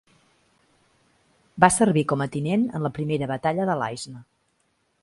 Va servir com a tinent en la primera batalla de l'Aisne.